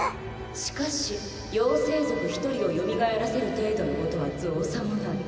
しかし妖精族一人をよみがえらせる程度のことは造作もない。